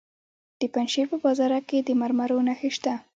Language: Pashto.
د پنجشیر په بازارک کې د مرمرو نښې شته.